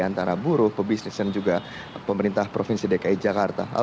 antara buruh pebisnis dan juga pemerintah provinsi dki jakarta